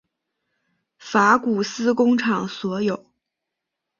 法古斯工厂所有。